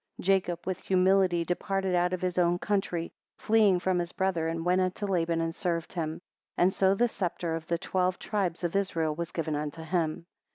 Jacob with humility departed out of his own country, fleeing from his brother, and went unto Laban and served him; and so the sceptre of the twelve tribes of Israel was given unto him.